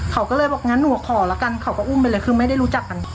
เขาก็เลยบอกงั้นหนูขอแล้วกันเขาก็อุ้มไปเลยคือไม่ได้รู้จักกัน